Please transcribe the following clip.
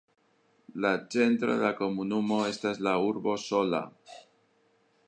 La centro de la komunumo estas la urbo Sola.